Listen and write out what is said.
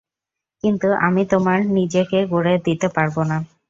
কিন্তু আমি তোমার নিজেকে গড়ে দিতে পারব না।